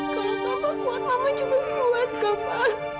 kalau kava kuat mama juga kuat kava